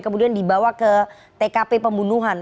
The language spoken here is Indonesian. kemudian dibawa ke tkp pembunuhan